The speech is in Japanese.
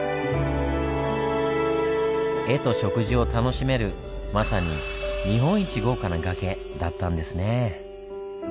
絵と食事を楽しめるまさに「日本一豪華な崖」だったんですねぇ。